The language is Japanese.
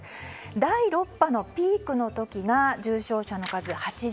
第６波のピークの時が重症者の数８７人。